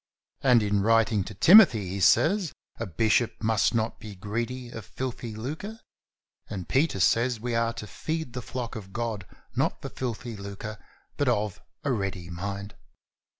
And in writing to Timothy, he says : "A bishop must not be greedy of filthy lucre," and Peter says we are to "feed the flock of God not for filthy lucre but of a ready mind."